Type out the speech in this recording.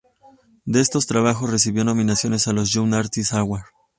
De estos trabajos recibió nominaciones a los Young Artist Award.